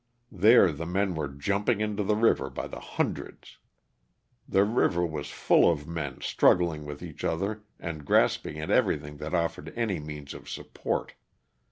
There the men were jumping into the river by the hundreds. The river was full of men struggling with each other and grasping at everything that offered any means of sup port.